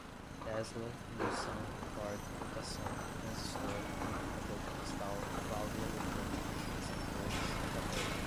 tesla, indução, torque, rotação, transistor, amplificador de cristal, válvula eletrônica, receptores, trapézio